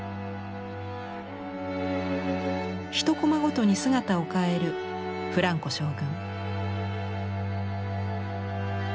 １コマごとに姿を変えるフランコ将軍。